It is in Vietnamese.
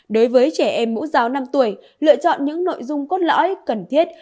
đối với trẻ em mẫu giáo năm tuổi lựa chọn những nội dung cốt lõi cần thiết